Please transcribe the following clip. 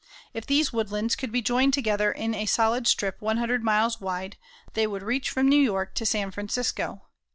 If these woodlands could be joined together in a solid strip one hundred miles wide, they would reach from New York to San Francisco.